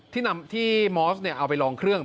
ที่นำที่มอสเอาไปลองเครื่อง